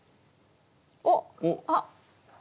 おっ！あっ。